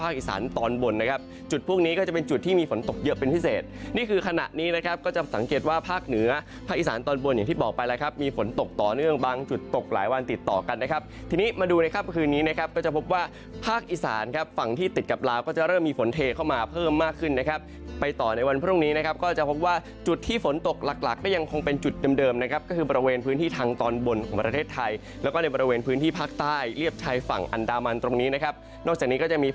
ก็จะพบว่าภาคอิสานฝั่งที่ติดกับราวก็จะเริ่มมีฝนเทเข้ามาเพิ่มมากขึ้นนะครับไปต่อในวันพรุ่งนี้นะครับก็จะพบว่าจุดที่ฝนตกหลักก็ยังคงเป็นจุดเดิมนะครับก็คือบริเวณพื้นที่ทางตอนบนของประเทศไทยแล้วก็ในบริเวณพื้นที่ภาคใต้เรียบใช้ฝั่งอันดามันตรงนี้นะครับนอกจากนี้ก็จะม